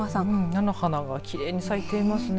菜の花がきれいに咲いていますね。